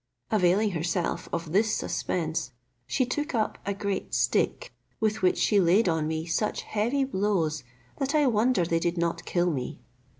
Availing herself of this suspense, she took up a great stick, with which she laid on me such heavy blows, that I wonder they did not kill me.